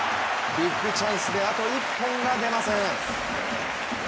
ビッグチャンスであと一本が出ません。